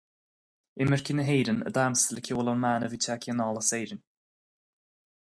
Imircigh na hÉireann ag damhsa le ceol ón mbanna a bhí tagtha anall as Éirinn.